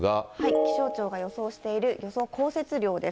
気象庁が予想している、予想降雪量です。